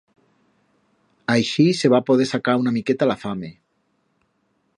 Aixit se va poder sacar una miqueta la fame.